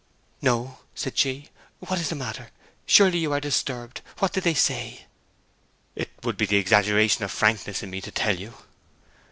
'No,' said she. 'What is the matter? Surely you are disturbed? What did they say?' 'It would be the exaggeration of frankness in me to tell you.'